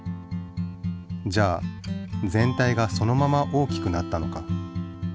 じゃあ全体がそのまま大きくなったのか？